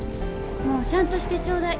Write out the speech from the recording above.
もうシャンとしてちょうだい。